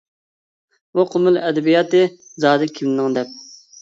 بۇ قومۇل ئەدەبىياتى زادى كىمنىڭ دەپ!